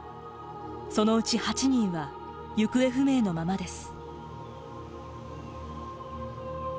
そのうち８人は行方不明のままです。